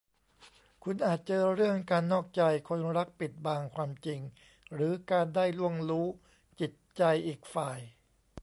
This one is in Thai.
คุณอาจเจอเรื่องการนอกใจ คนรักปิดบังความจริง หรือการได้ล่วงรู้จิตใจอีกฝ่าย